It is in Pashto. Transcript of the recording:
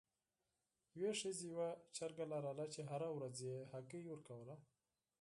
یوې ښځې یوه چرګه لرله چې هره ورځ یې هګۍ ورکوله.